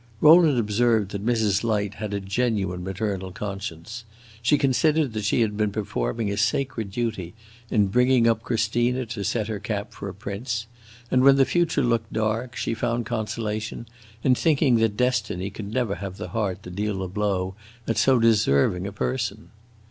Rowland observed that Mrs. Light had a genuine maternal conscience; she considered that she had been performing a sacred duty in bringing up Christina to set her cap for a prince, and when the future looked dark, she found consolation in thinking that destiny could never have the heart to deal a blow at so deserving a person.